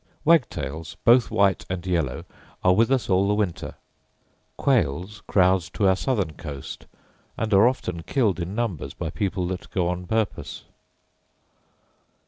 Wagtails, both white and yellow, are with us all the winter. Quails crowd to our southern coast, and are often killed in numbers by people that go on purpose.